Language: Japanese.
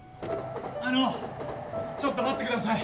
あのちょっと待ってください！